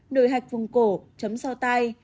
nổi hạch vùng cổ chấm sau tay